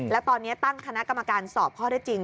แล้วตอนนี้ตั้งคณะกรรมการสอบข้อได้จริง